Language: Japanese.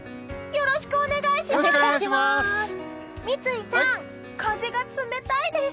よろしくお願いします！